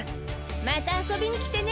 また遊びにきてね。